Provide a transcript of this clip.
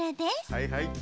はいはい。